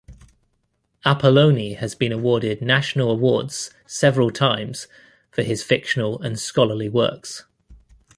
Apolloni has been awarded national awards several times for his fictional and scholarly works.